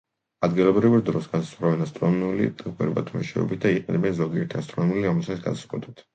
ადგილობრივი დროს განსაზღვრავენ ასტრონომიული დაკვირვებათა მეშვეობით და იყენებენ ზოგიერთი ასტრონომიული ამოცანის გადასაწყვეტად.